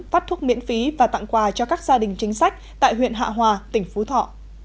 phát thuốc miễn phí và tặng quà cho các gia đình chính sách tại huyện hạ hòa tỉnh phú thọ